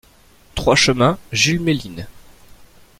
trois chemin Jules Méline